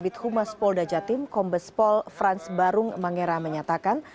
david humas pol dajatim kombes pol franz barung mangera menyatakan